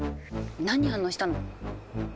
何に反応したの？